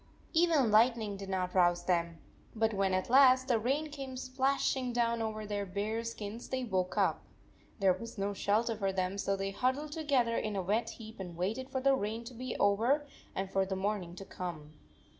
Even lightning did not rouse them, but when at last the rain came splashing down over their bare skins they woke up. There was no shelter for them, so they hud dled together in a wet heap and waited for the rain to be over and for the morning to come.